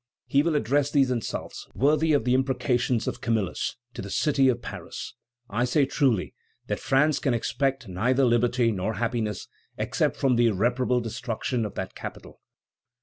He will address these insults, worthy of the imprecations of Camillus, to the city of Paris: "I say truly, that France can expect neither liberty nor happiness except from the irreparable destruction of that capital."